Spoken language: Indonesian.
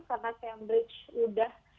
karena cambridge sudah